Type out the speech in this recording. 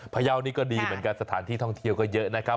พยาวนี่ก็ดีเหมือนกันสถานที่ท่องเที่ยวก็เยอะนะครับ